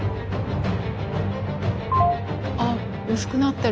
あっ薄くなってる。